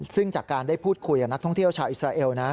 ซึ่งจากการได้พูดคุยกับนักท่องเที่ยวชาวอิสราเอลนะ